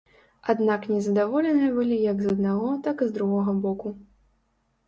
Аднак незадаволеныя былі як з аднаго, так і з другога боку.